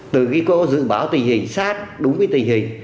từ cái câu dự báo tình hình sát đúng với tình hình